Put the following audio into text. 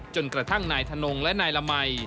จนกระทั่งนายทนงและนายละมัย